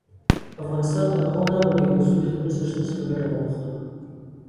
افغانستان تر هغو نه ابادیږي، ترڅو د خپلو سرچینو څخه ګټه وانخلو.